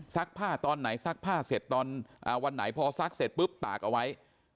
ผ้าตอนไหนซักผ้าเสร็จตอนวันไหนพอซักเสร็จปุ๊บตากเอาไว้